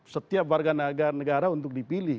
setiap warga negara untuk dipilih